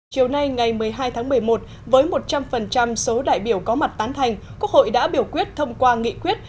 chiều nay ngày một mươi hai tháng một mươi một với một trăm linh số đại biểu có mặt tán thành quốc hội đã biểu quyết thông qua nghị quyết